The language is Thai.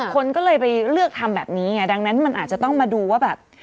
คนก็เลยไปเลือกทำแบบนี้ไงดังนั้นมันอาจจะต้องมาดูว่าแบบ